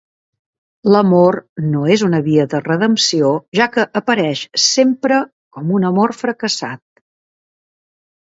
L'amor no és una via de redempció, ja que apareix sempre com un amor fracassat.